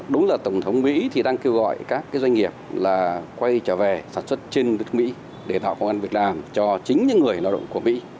đúng là tổng thống mỹ thì đang kêu gọi các doanh nghiệp là quay trở về sản xuất trên đất mỹ để tạo công an việc làm cho chính những người lao động của mỹ